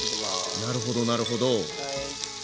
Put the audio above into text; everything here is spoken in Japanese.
なるほどなるほど。